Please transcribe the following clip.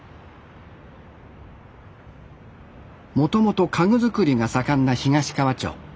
もともと家具作りが盛んな東川町。